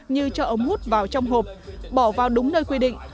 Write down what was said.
như cho ống hút vào trong hộp bỏ vào đúng nơi quy định